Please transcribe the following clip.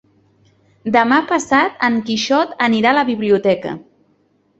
Demà passat en Quixot anirà a la biblioteca.